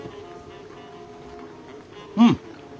うん！